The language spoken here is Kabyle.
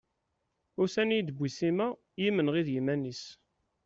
Ussan i d-tewwi Sima yimenɣi d yiman-is.